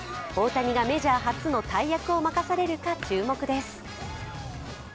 大谷がメジャー初の大役を任されるか注目です。